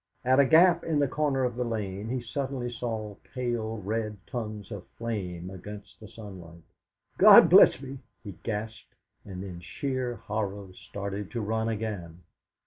At a gap in the corner of the lane he suddenly saw pale red tongues of flame against the sunlight. "God bless me!" he gasped, and in sheer horror started to run again.